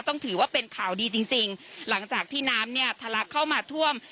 ต้องถือว่าเป็นข่าวดีจริงจริงหลังจากที่น้ำเนี่ยทะลักเข้ามาท่วม